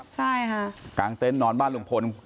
ใช่ค่ะกลางเต็นต์นอนบ้านลุงพล